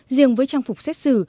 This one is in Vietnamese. riêng với trang phục xét xử